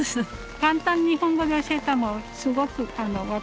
簡単日本語で教えたのすごく分かりやすいの。